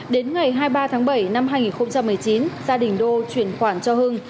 đến ngày hai mươi ba tháng bảy năm hai nghìn một mươi chín gia đình đô chuyển khoản cho hưng